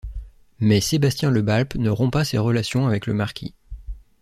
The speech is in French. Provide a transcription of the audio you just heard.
Mais Sébastien Le Balp ne rompt pas ses relations avec le Marquis.